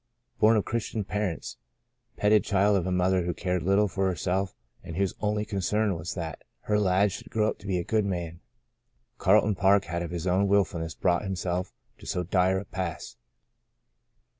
Born of Christian par ents, petted child of a mother who cared little for herself and whose only concern was that her lad should grow to be a good man, Carl ton Park had of his own willfulness brought himself to so dire a pass.